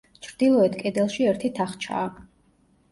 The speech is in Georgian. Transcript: ჩრდილოეთ კედელში ერთი თახჩაა.